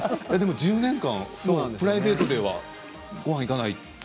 １０年間プライベートではごはんに行かない？